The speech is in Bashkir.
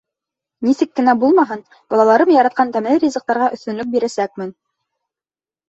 Нисек кенә булмаһын, балаларым яратҡан тәмле ризыҡтарға өҫтөнлөк бирәсәкмен.